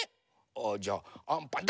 ああじゃあアンパン。